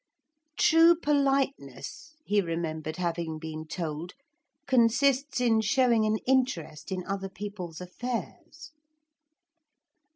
True politeness, he remembered having been told, consists in showing an interest in other people's affairs.